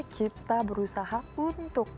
kita berusaha untuk